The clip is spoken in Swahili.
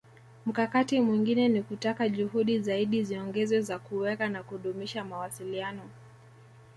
Mkakati mwingine ni kutaka juhudi zaidi ziongezwe za kuweka na kudumisha mawasiliano